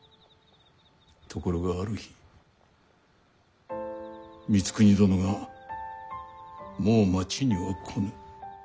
ところがある日光圀殿が「もう町には来ぬ。